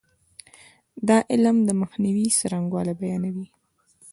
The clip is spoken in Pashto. دا علم د مخنیوي څرنګوالی بیانوي.